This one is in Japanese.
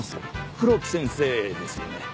黒木先生ですよね。